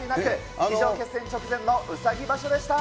以上、決戦直前のうさぎ場所でした。